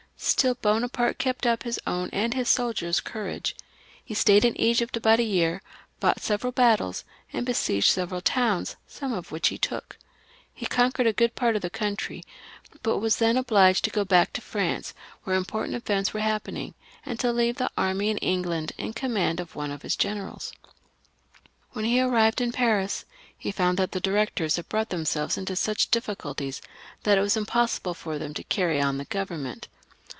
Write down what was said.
Still Bonaparte kept up his own and his soldiera* courage. He stayed in I^ypt about a year, fought several battles, and besieged several towns, some of which he took. He conquered a good part of the country, and was then obliged to go back to France, where important events were happening, and to leave the army in Egypt to the care of one of his generals. When he arrived in Paris he found that the Directors had brought themselves into such difficulties that it was impossible for them to carry on the Grovernment.